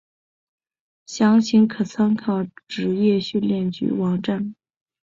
详情可参考职业训练局网站。